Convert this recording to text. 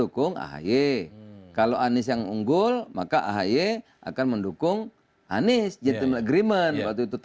ketua umum jadi capres tuh